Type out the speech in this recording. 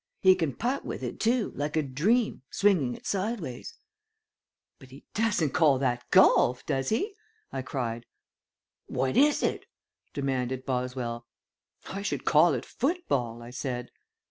He can put with it too, like a dream, swinging it sideways." "But he doesn't call that golf, does he?" I cried. "What is it?" demanded Boswell. "I should call it football," I said.